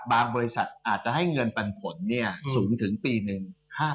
บริษัทอาจจะให้เงินปันผลสูงถึงปีหนึ่ง